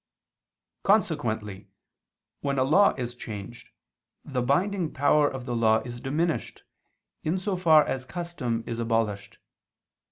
Consequently, when a law is changed, the binding power of the law is diminished, in so far as custom is abolished.